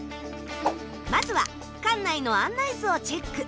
まずは館内の案内図をチェック。